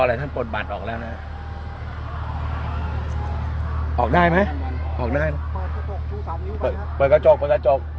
ออกได้ไหมออกได้เปิดกระจกเปิดกระจก